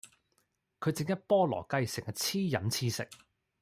佢正一菠蘿雞成日黐飲黐食